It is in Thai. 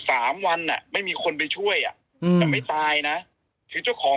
สามวันอ่ะไม่มีคนไปช่วยอ่ะอืมจะไม่ตายนะคือเจ้าของ